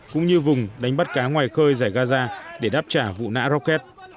cũng như vùng đánh bắt cá ngoài khơi giải gaza để đáp trả vụ nã rocket